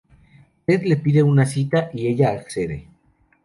Ted le pide una cita, y ella accede.